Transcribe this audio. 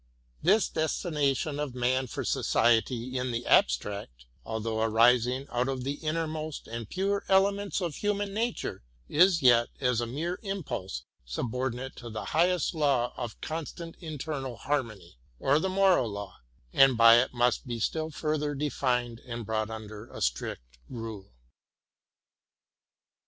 This destination of man for Society in the abstract, although arising out of the innermost and purest elements of human nature, is yet, as a mere impulse, subordinate to the highest law of constant internal harmony, or the moral law, and by it must be still further defined and brought under a strict rule.